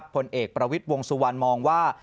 ผลเอกประวิทย์วงสุวรรณมองว่า